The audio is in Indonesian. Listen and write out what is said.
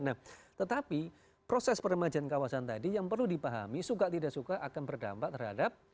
nah tetapi proses peremajaan kawasan tadi yang perlu dipahami suka tidak suka akan berdampak terhadap